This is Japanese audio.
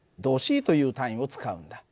℃という単位を使うんだ。